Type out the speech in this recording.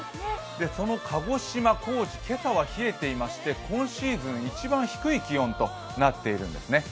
その鹿児島、高知、今日は冷えていまして今シーズン一番低い気温となっているんですね。